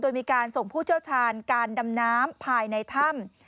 โดยมีการส่งผู้เชี่ยวชาญการดำน้ำภายในถ้ำ